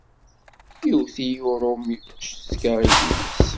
Iwwet-iyi uṛumi, cetkaɣ i gma-s.